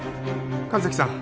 神崎さん